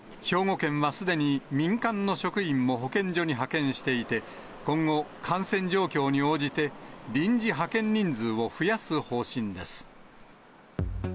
兵庫県はすでに民間の職員も保健所に派遣していて、今後、感染状況に応じて、臨時派遣人数を増やす方針です。